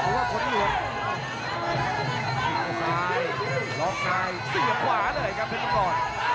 ขนหลวงข้างซ้ายร้องกายเสียขวาเลยครับเผ็ดมันก่อน